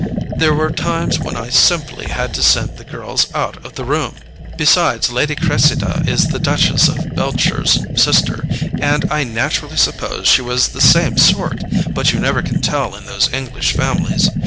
There were times when I simply had to send the girls out of the room. Besides, Lady Cressida is the Duchess of Beltshire's sister, and I naturally supposed she was the same sort; but you never can tell in those English families.